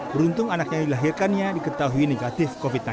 beruntung anaknya yang dilahirkannya diketahui negatif covid sembilan belas